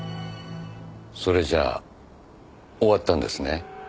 それじゃ終わったんですね。